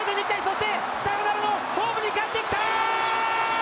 そして、サヨナラのホームにかえってきた！